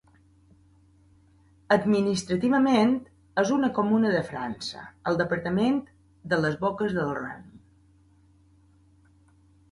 Administrativament és una comuna de França al departament de les Boques del Roine.